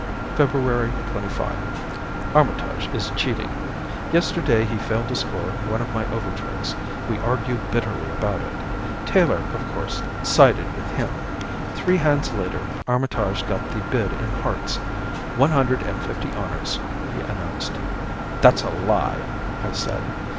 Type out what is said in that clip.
February 25 Armitage is cheating. Yesterday he failed to score one of my overtricks. We argued bitterly about it. Taylor, of course, sided with him. Three hands later, Armitage got the bid in hearts. "One hundred and fifty honors," he announced. "That's a lie," I said.